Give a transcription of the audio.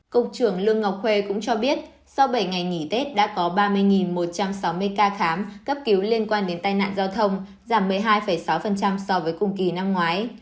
cục trưởng lương ngọc khuê cũng cho biết sau bảy ngày nghỉ tết đã có ba mươi một trăm sáu mươi ca khám cấp cứu liên quan đến tai nạn giao thông giảm một mươi hai sáu so với cùng kỳ năm ngoái